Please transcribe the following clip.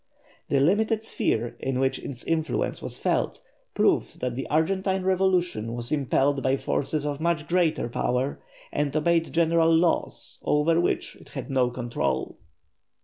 The limited sphere in which its influence was felt proves that the Argentine revolution was impelled by forces of much greater power, and obeyed general laws over which it had no control.